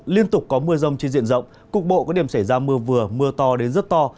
liên tục có mưa rông trên diện rộng cục bộ có điểm xảy ra mưa vừa mưa to đến rất to